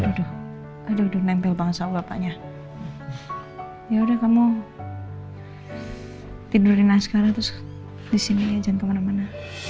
duduk duduk nempel banget soalnya ya udah kamu tidurin sekarang terus disini aja kemana mana